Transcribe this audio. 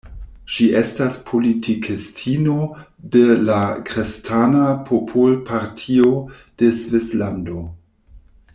Ŝi estas politikistino de la Kristana popol-partio de Svislando.